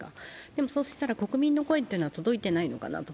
でも、そうしたら国民の声というのは届いてないのかなと。